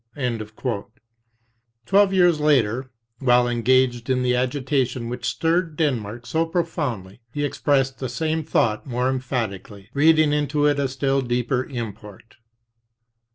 Twelve years later, while engaged in the agitation which stirred Denmark so profoundly, he expressed the same thought more emphatically, reading into it a still deeper import.